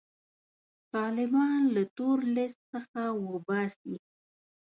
طالبان له تور لیست څخه وباسي.